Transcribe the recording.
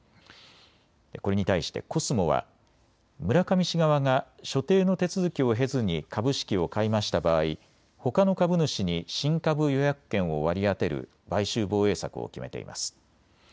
これに対してコスモは村上氏側が所定の手続きを経ずに株式を買い増した場合、ほかの株主に新株予約権を割り当てる買収防衛策を決めています。